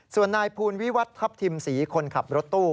ส่วนนายภูลวิวัตรทัพทิมศรีคนขับรถตู้